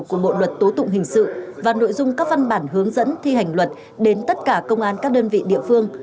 của bộ luật tố tụng hình sự và nội dung các văn bản hướng dẫn thi hành luật đến tất cả công an các đơn vị địa phương